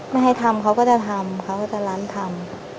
ไม่ให้ทำเขาก็จะทำเขาก็จะลั้นทำ